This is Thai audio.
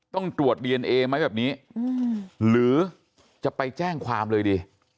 ต้องตรวจดีเอนเอไหมแบบนี้หรือจะไปแจ้งความเลยดี